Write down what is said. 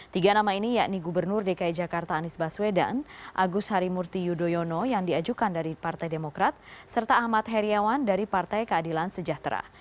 tiga nama ini yakni gubernur dki jakarta anies baswedan agus harimurti yudhoyono yang diajukan dari partai demokrat serta ahmad heriawan dari partai keadilan sejahtera